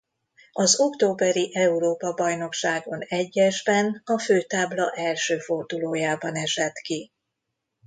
Az októberi Európa-bajnokságon egyesben a főtábla első fordulójában esett ki.